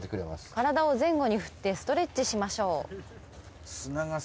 体を前後に振ってストレッチしましょう。